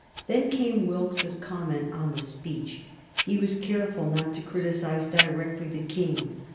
Then came Wilkes's comment on the speech. He was careful not to criticize directly the King.